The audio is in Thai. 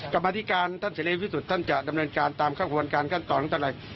กรรมนาฬิการท่านเศรษฐ์พิสุทธิ์ท่านจะดำเนินการตามข้างหลังการข้างต่อตั้งแต่ละ